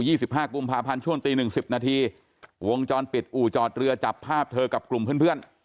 สิบห้ากุมภาพันธ์ช่วงตีหนึ่งสิบนาทีวงจรปิดอู่จอดเรือจับภาพเธอกับกลุ่มเพื่อนเพื่อน